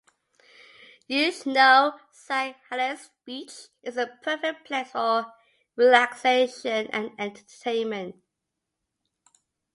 Yuzhno-Sakhalinsk Beach is a perfect place for relaxation and entertainment.